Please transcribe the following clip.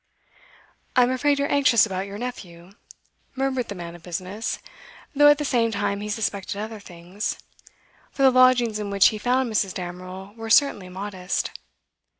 'I'm afraid you're anxious about your nephew,' murmured the man of business; though at the same time he suspected other things, for the lodgings in which he found Mrs. Damerel were certainly modest.